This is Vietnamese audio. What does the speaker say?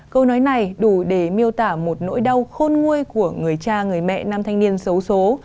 câu nói này đủ để miêu tả một nỗi đau khôn nguôi của người cha người mẹ nam thanh niên xấu xố